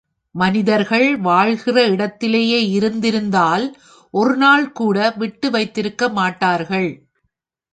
மனிதர்கள் வாழ்கிற இடத்திலே இருந்திருந்தால் ஒரு நாள்கூட விட்டு வைத்திருக்க மாட்டார்கள்.